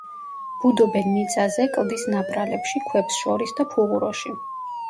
ბუდობენ მიწაზე, კლდის ნაპრალებში, ქვებს შორის და ფუღუროში.